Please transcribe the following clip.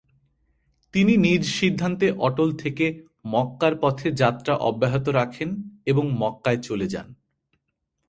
তিনি নিজ সিদ্ধান্তে অটল থেকে মক্কার পথে যাত্রা অব্যহত রাখেন এবং মক্কায় চলে যান।